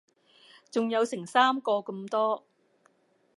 仲有成三個咁多